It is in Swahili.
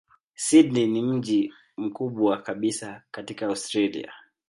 Sydney ni mji mkubwa kabisa katika Australia.